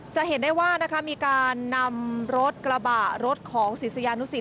จะเห็นได้ว่านะคะมีการนำรถกระบะรถของศิษยานุสิต